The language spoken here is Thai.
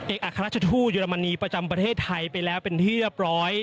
อัครราชทูตเยอรมนีประจำประเทศไทยไปแล้วเป็นที่เรียบร้อย